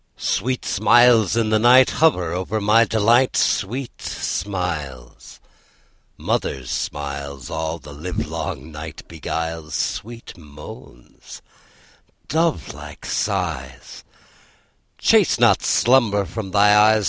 Sweet smiles, in the night Hover over my delight! Sweet smiles, mother's smiles, All the livelong night beguiles. Sweet moans, dovelike sighs, Chase not slumber from thy eyes!